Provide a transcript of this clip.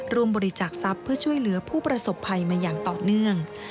รวมบริจาคทรัพย์เพื่อช่วยเหลือผู้ประสบภัยมาอย่างต่อเนื่อง